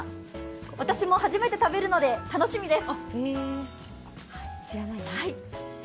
私も初めて食べるので楽しみです。